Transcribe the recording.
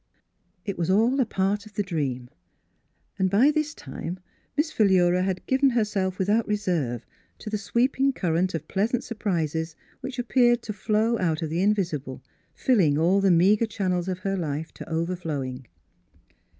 It was all a part of the dream — and by this time Miss Philura had given her self without reserve to the sweeping cur rent of pleasant surprises which appeared to flow out of the invisible, filling all the meagre channels of her life to overflowing.